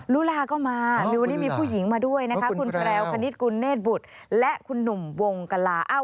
ลูลาก็มามีวันนี้มีผู้หญิงมาด้วยนะคะคุณแพรวคณิตกุลเนธบุตรและคุณหนุ่มวงกลา